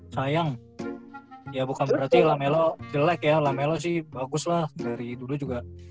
sayang ya bukan berarti lamelo jelek ya lamelo sih bagus lah dari dulu juga